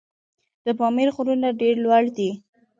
د پامیر غرونه ډېر لوړ دي.